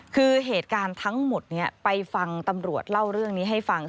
คือเหตุการณ์ทั้งหมดนี้ไปฟังตำรวจเล่าเรื่องนี้ให้ฟัง